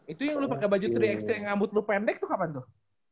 itu yang lu pake baju tiga xt yang ngambut lu pendek tuh kapan tuh